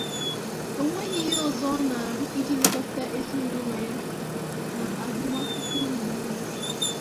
o nweghịzị ihe ọ na-arụ iji lekọta ezinaụlọ ya na agụmakwụkwọ ụmụ ya anya